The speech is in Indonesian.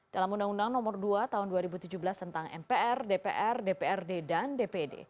dalam undang undang nomor dua tahun dua ribu tujuh belas tentang mpr dpr dprd dan dpd